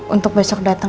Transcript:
untuk besok dateng